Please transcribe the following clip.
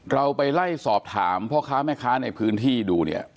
เราไปไล่สอบถามพ่อค้าแม่ค้าในพื้นที่ดูเนี่ย